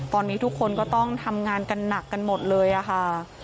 ตอนนี้ทุกคนก็ต้องทำงานกันหนักกันหมดเลยค่ะ